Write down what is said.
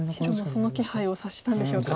その気配を察したんでしょうか。